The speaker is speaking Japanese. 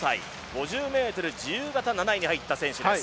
５０ｍ自由形、７位に入った選手です。